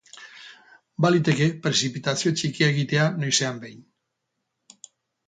Baliteke prezipitazio txikia egitea noizean behin.